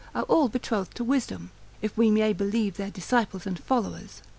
are all betrothed to wisdom, if we may believe their disciples and followers.